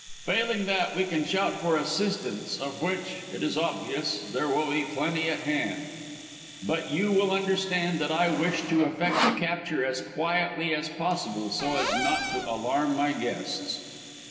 Failing that, we can shout for assistance, of which, it is obvious, there will be plenty to hand. But, you will understand that I wish to effect the capture as quietly as possible, so as not to alarm my guests."